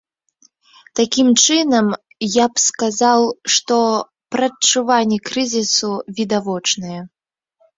Такім чынам, я б сказаў, што прадчуванні крызісу відавочныя.